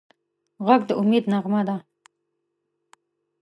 غږ د امید نغمه ده